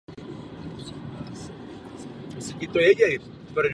Vítěz získá několik bodů do ratingu.